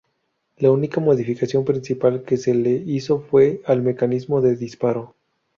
La única modificación principal que se le hizo fue al mecanismo de disparo.